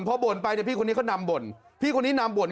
พอบ่นไปพี่คนนี้เขานำบ่น